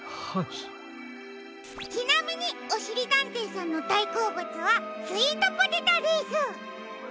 ちなみにおしりたんていさんのだいこうぶつはスイートポテトです。